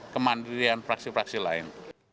kemadrian fraksi fraksi lain